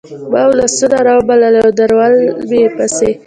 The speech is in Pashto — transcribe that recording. ما ولسونه رابلل او درول مې پسې